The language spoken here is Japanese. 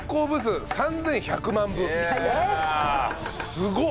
すごっ！